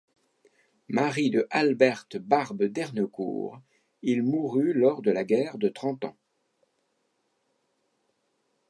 Mari de Alberte Barbe d'Ernecourt, il mourut lors de la guerre de Trente Ans.